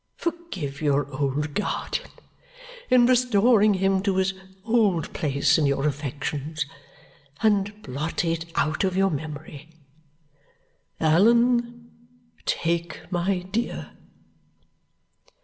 Forgive your old guardian, in restoring him to his old place in your affections; and blot it out of your memory. Allan, take my dear."